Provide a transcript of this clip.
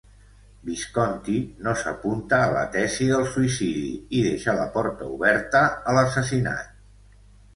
Visconti no s'apunta a la tesi del suïcidi i deixa la porta oberta a l'assassinat.